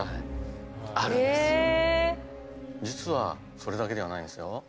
実はそれだけではないんですよ。